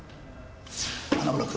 花村君。